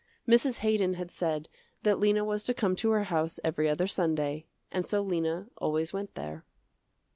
Mrs. Haydon had said that Lena was to come to her house every other Sunday, and so Lena always went there.